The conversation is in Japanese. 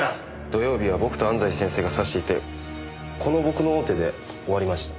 土曜日は僕と安西先生が指していてこの僕の王手で終わりました。